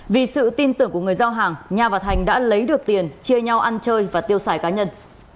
vì sự tin tưởng của người giao hàng nha và thành đã lấy được tiền chia nhau ăn chơi và tiêu xài cá nhân